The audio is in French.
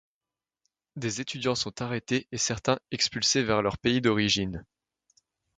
Des étudiants sont arrêtés et certains expulsés vers leurs pays d'origine.